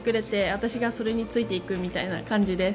私がそれについていくみたいな感じです。